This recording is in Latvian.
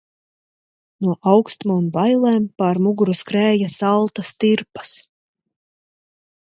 No aukstuma un bailēm pār muguru skrēja saltas tirpas.